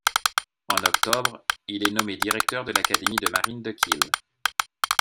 En octobre, il est nommé directeur de l'académie de marine de Kiel.